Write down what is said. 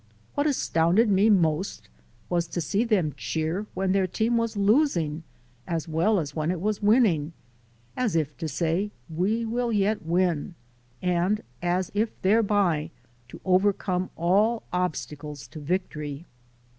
What astounded me most was to see them cheer when their team was losing as well as whem it was winning, as if to say "we will yet win" and as if thereby to over come all obstacles to victory.